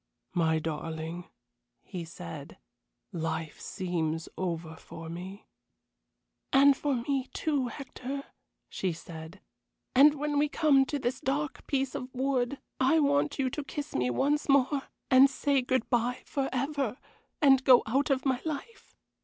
"My darling," he said, "life seems over for me." "And for me, too, Hector," she said. "And when we come to this dark piece of wood I want you to kiss me once more and say good bye forever, and go out of my life."